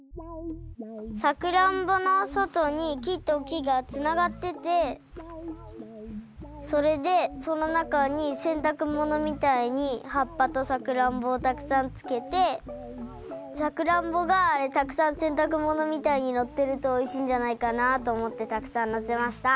さくらんぼのそとにきときがつながっててそれでそのなかにせんたくものみたいにはっぱとさくらんぼをたくさんつけてさくらんぼがたくさんせんたくものみたいになってるとおいしいんじゃないかなとおもってたくさんのせました。